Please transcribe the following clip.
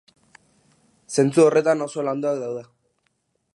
Zentzu horretan oso landuak daude.